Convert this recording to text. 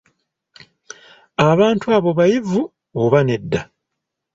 Abantu abo bayivu oba nedda?